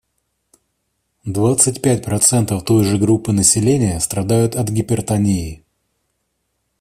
Двадцать пять процентов той же группы населения страдают от гипертонии.